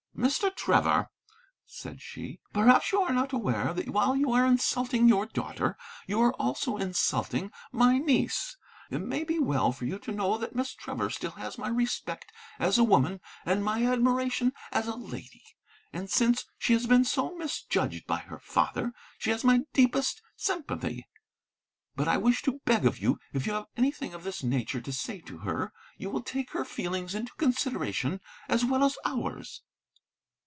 "Mr. Trevor," said she, "perhaps you are not aware that while you are insulting your daughter, you are also insulting my niece. It may be well for you to know that Miss Trevor still has my respect as a woman and my admiration as a lady. And, since she has been so misjudged by her father, she has my deepest sympathy. But I wish to beg of you, if you have anything of this nature to say to her, you will take her feelings into consideration as well as ours."